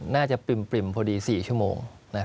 น่าจะปริ่มพอดี๔ชั่วโมง